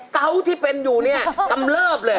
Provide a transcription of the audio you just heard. เกาะที่เป็นอยู่เนี่ยกำเลิบเลย